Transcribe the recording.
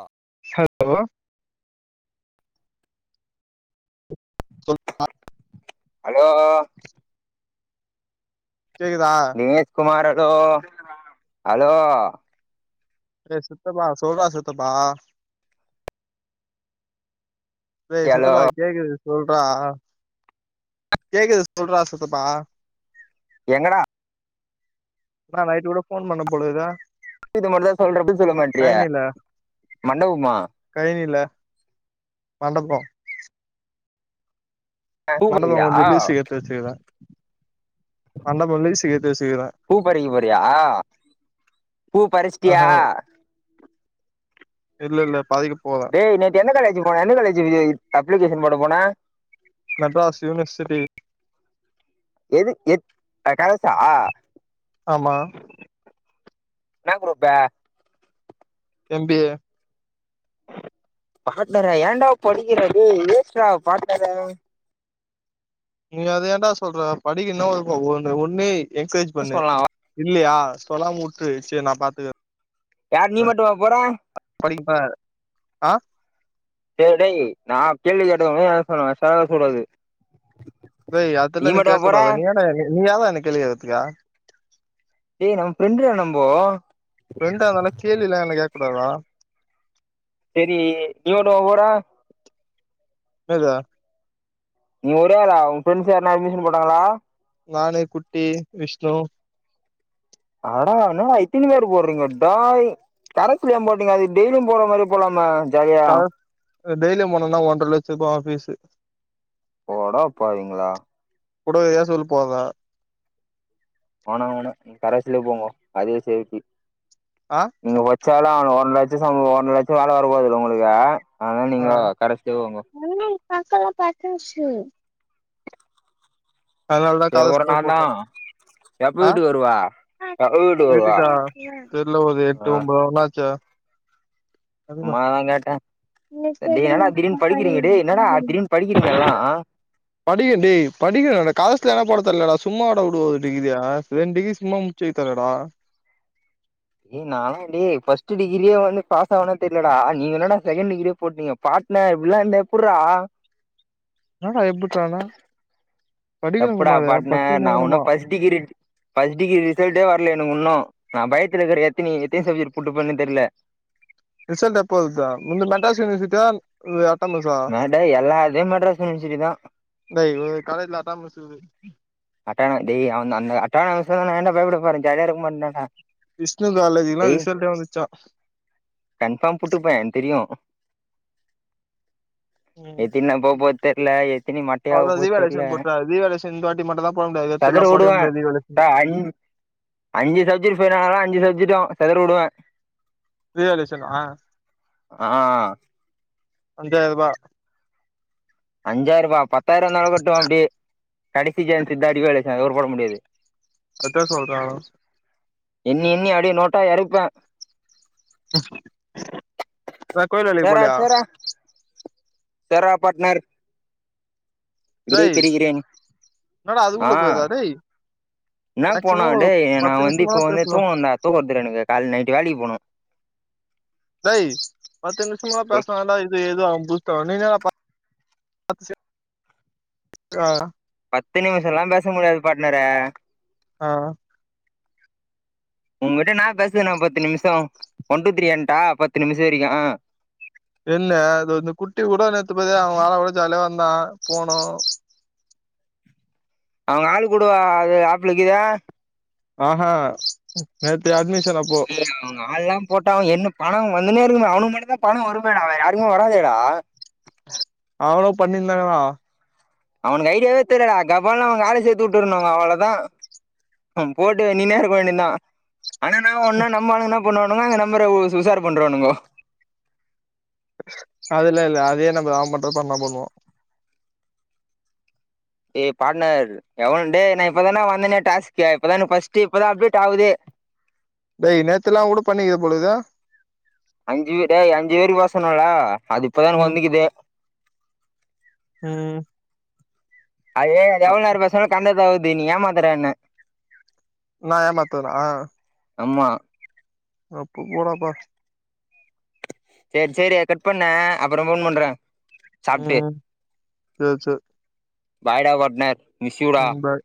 அ [inaudible] சொல் ஹலோ கேக்குதா Dinesh Kumar hello hello அடே சித்தப்பா சொல்ட்றா சித்தப்பா டே ஹலோ சித்தப்பா கேக்குது சொல்ட்றா கேக்குது சொல்ட்றா சித்தப்பா எங்கடா அப்றோ நைட் கூட ஃபோன் பண்ண போல இருக்குது விசியத்த மட்டுதா சொல்ற [inaudible] சொல்ல மாட்ரியே மண்டபமா? [unintelligible] ல மண்டபோ அ பூ மண்டபோ பறிக்கிறியா கொஞ்சோ லீஸுக்கு எத்து வச்சுக்குறே மண்டபோ லீஸுக்கு எத்து வச்சுக்குறே பூப்பறிக்க போறியா? பூ பறிசிட்டியா இல்லல்ல பறிக்க போ டே நேத்து எந்த காலேஜ்ஜு போன எந்த காலேஜ்ஜு நீ அப்ளிகேஷன் போட போன மெட்ராஸ் யூனிவர்சிட்டி எது எது அ கலசா ஆமா என்ன க்ரூப்பு எம் பி ஏ பக்கத்ர ஏன்டா படிக்கிற டேய் ஏத்ரா பாட்னர நீ அத ஏன்டா சொல்ற படிக்கணு ஒன்னு ஒன்னே எக்சைஸ் பண்ணு சொல்லலாம் இல்லையா சொல்லாம உட்ரு சேரி நா பாத்துக்கறே யார் நீ மட்டுமா போற படிப்ப ஆ சேரி டேய் நா கேள்வி கேட்டவங்க என்ன சொல்லுவே [unintelligible] சொல்றது ஏய் அதெல்லா நீ கேக்க கூடாது நீ ஏன்டா நீ யார்ரா என்ன கேள்வி கேக்குறதுக்கு டேய் நம் ஃப்ரெண்ட்ரா நம்போ ஃப்ரெண்டாவான கேள்விலா என்ன கேக்க கூடாதா செரி [unintelligible] எதுரா நீ ஒரே ஆளா ஒ ஃப்ரண்ட்ஸ் யாருனா அட்மிஷன் போட்டாங்களா நானு குட்டி விஷ்ணு அட என்னடா இத்தன பேரு போட்றீங்க டாய் கரெஸ்ல ஏ போட்டீங்க அதுக்கு டெய்லியு போற மாரி போலாம கரஸ் அ டெய்லி போனோன்னா ஒன்ற லட்ச ரூவாவா ஃபீஸு போடா பாவிங்ளா குடுக்குறியா சொல் போங்க ஆனா ஒன்னு கடைசில போவோ அதா சேஃப்டி ஆ நீங்க ஒச்சாலு அவனுங்க ஒன் லெட்சோ சம்பளோ ஒன்ர லட்சோ வேல வரபோதுல உங்களுக்கு ஆனா ஆ நீங்க கரெக்ட்டு [inaudible] அதனாலதா எவ்ளோ காசு நேர தா போட்ட எப்ப ஆ வீட்டுக்கு வருவ எப்ப வீட்டுக்கு வருவ வீட்டுக்கா தெர்ல ஓது எட்டு ஆ ஒம்போ ஒன்னாச்சா சும்மாதா கேட்டே டேய் என்னடா திடீர்னு படிக்கிறீங்க என்னடா திடீர்னு படிக்கிறீங்க எல்லா படிங்க டேய் படிங்கடானா காசுல போட தரலடா சும்மாவாடா உடுவாங்க டிகிரியா ரெண்டு டிகிரி சும்மா கேக்கல டா ஏய் நானாலா டேய் ஃபஸ்ட் டிகிரியே வந்து பாஸ் ஆவனா தெரிலடா நீ என்னடா செகண்ட் டிகிரியே போட்டீங்க பாட்னர் இப்டிலா இருந்தா எப்புட்றா என்னடா எப்புட்றானா தப்புடா பாட்னர் நா பச்சிக்கினே ஒன்னு வேணுமா ஃபஸ்ட் டிகிரி ஃபர்ஸ்ட் டிகிரி ரிசல்ட்டே வர்ல எனக்குன்னு நா பயத்துல இருக்கிற எத்தினி எத்தினி சப்ஜெக்ட் புட்டுக்குனு தெர்ல ரிசல்ட் எப்போ வருதுடா உன்னுது மெட்ராஸ் யுனிவர்சிட்டியா இது அட்டா மஸா அட எல்லாத்தயு மெட்ராஸ் யுனிவர்சிட்டி தா இல்ல இவங்க காலேஜ்ல அட்டானமஸ் இருக்கு அட்டான டேய் அவ அந்த அட்டானமஸ்னா நா ஏன்டா பயப்படப்போறே ஜாலியா இருக்கமாட்டனாடா விஷ்ணு காலேஜ்க்குலா ரிசல்ட்டே வந்துர்ச்சா கன்ஃபார்ம் புட்டுப்பே எனக் தெரியு ம் எத்தினி அபோ போ தெர்ல எத்தினி மட்டையாவ அவ்ளோ போ தெர்ல ரீவேல்யூவேஷன் போட்டா [unintelligible] இந்த வாட்டி மட்டும்தா போட முடியாது ட்ரெஸ்ஸுல்லா செதற போடயே வுடுவே முடியாது தீவாளி டா ட்ரெஸ்ஸுன்னு அஞ் அஞ்சு சப்ஜக்ட் ஃவெய்ல் ஆனாலு, அஞ்சு சப்ஜக்ட்டு செதற விடுவே [unintelligible] ஆ அஞ்சாயிருபா அஞ்சாயிர ரூபா பத்தாயிர இருந்தாலு கட்டுவா அப்டி கடைசி சான்ஸ்ஸு தா ரீவால்யூவேஷன் அதுக்கப்பறோ போட முடியாது அத்த சொல்றாலா எண்ணி எண்ணி அப்டியே நோட்டா எறைப்பே நா கோயில் வேலைக்கு சேரா போலயா சேரா செர்ரா பாட்னர் விடை டேய் பெறுகிறே என்னடா ஆ அதுக்குள்ள போகுதா டேய் என்ன போனா மேக்சிமம் ஒரு டேய் நா பத்து வந்து இப்போ நிமிஷமாவது வந்து பேசலா தூங்குன்டா தூக்க வர்து டா எனக்கு கால் நைட்டு வேலைக்கி போனு டேய் பத்து நிம்ஷமா சொல் பேசின தாண்ட இது எதோ [unintelligible] [inaudible] நீ தான பாத்து சேத்து பத்து நிமிஷோல்லா பேச முடியாது பாட்னரே ஆ உங்கிட்ட என்னா பேசது நா பத்து நிமிஷோ ஒன் டூ த்ரீ எண்ட்டா பத்து நிமிஷ வரைக்கு என்ன அது வந்து குட்டி கூட நேத்து பாத்தயா அவ [unintelligible] ஜாலியா வந்தா போனோ அவுங்க ஆளு கூடவா அது ஆப்ளக்கீது ஆஹா நேத்து அட்மிஷன் அப்போ அவுங்க ஆள்ல்லா போட்டா என்ன பணம் வந்துனே இருக்குமே அவுனுக்கு மட்டு தா பணம் வருமே டா வேற யாருக்குமே வராதேடா அவ்ளோ பண்ணியிருந்தாங்களா அவ்னுக்கு ஐடியாவே தெரிலடா கபால்னு அவ்ன ஆள சேத்து வுட்ரனு [inaudible] அவ்ளதா ம் போட்டு நீன்னே [inaudible] நின்னா ஆனா என்னா ஒன்னா நம்மாளுங்க என்னா பண்ணுவானுங்கோ அந்த நம்பர உசுசார் பண்றானுங்கோ அதுல இல்ல அதே நம்மரு அவ மட்டு தா பண்ணா பண்ணுவா ஏய் பாட்னர் [inaudible] டேய் நா இப்பதான்டா வந்தேனே டாஸ்க்கு இப்பதா எனக்கு ஃபஸ்ட் இப்பதா அப்டேட் ஆவுதே டேய் நேத்தெல்லா கூட பண்ணிக்கபொழுது அஞ்சு பே டேய் அஞ்சு பேருக்கு பேச சொன்னாங்களா அது இப்பதா எனக்கு ம் வந்திக்குது ம் அதே எவ்ள நேர பேசனாலு காண்டதகுது நீ ஏமாத்தற என்ன நா எமாத்துவான அம்மா அப்ப போடாப்பா சேரி சேரி அத கட் பண்ண அப்பறோ ஃபோன் பண்ற ம் சேர் சேர் பாய்டா பாட்னர் மிஸ் யு டா ம் பாய்